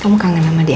kamu kangen sama dia